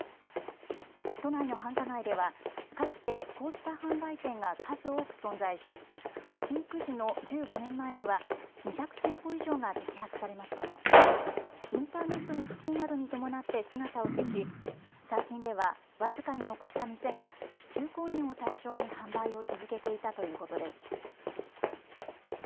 都内の繁華街ではかつてこうした販売店が数多く存在しピーク時の１５年前には２００店舗以上が摘発されましたがインターネットの普及などに伴って姿を消し最近では僅かに残った店が中高年を対象に販売を続けていたということです。